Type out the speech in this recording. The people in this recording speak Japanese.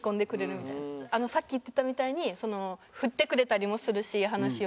さっき言ってたみたいに振ってくれたりもするし話を。